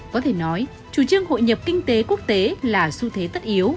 có thể nói chủ trương hội nhập kinh tế quốc tế là xu thế tân